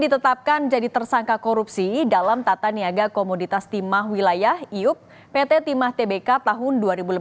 ditetapkan jadi tersangka korupsi dalam tata niaga komoditas timah wilayah iup pt timah tbk tahun dua ribu lima belas